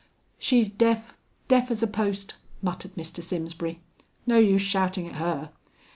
"She's deaf deaf, as a post," muttered Mr. Simsbury. "No use shouting at her."